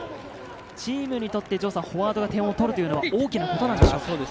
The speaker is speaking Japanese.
チームにとってフォワードが点を取るというのは大きなことなんでしょうか？